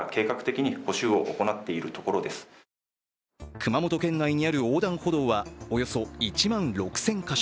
熊本県内にある横断歩道はおよそ１万６０００か所。